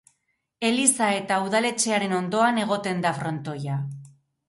Eliza eta udaletxearen ondoan egoten da frontoia.